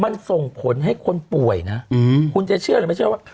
มันส่งผลให้คนป่วยนะคุณจะเชื่อหรือไม่เชื่อว่า